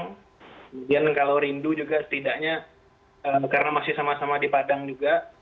kemudian kalau rindu juga setidaknya karena masih sama sama di padang juga